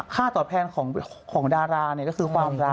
ค่าตอบแทนของดาราก็คือความรัก